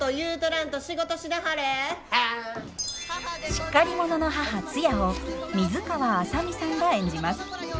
しっかり者の母ツヤを水川あさみさんが演じます。